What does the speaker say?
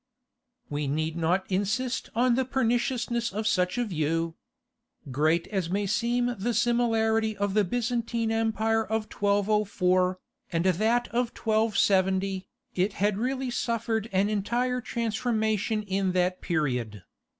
We need not insist on the perniciousness of such a view. Great as may seem the similarity of the Byzantine Empire of 1204, and that of 1270, it had really suffered an entire transformation in that period.